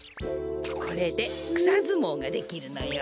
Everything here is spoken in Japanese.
これでくさずもうができるのよ。